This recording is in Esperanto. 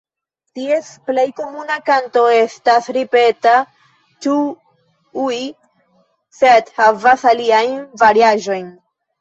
Ties plej komuna kanto estas ripeta "ĉu-ŭii" sed havas aliajn variaĵojn.